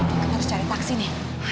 kita harus cari taksi nih